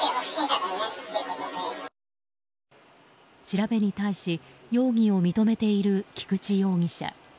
調べに対し容疑を認めている菊池容疑者。